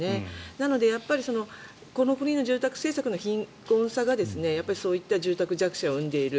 なので、この国の住宅政策の貧困さがそういった住宅弱者を生んでいる。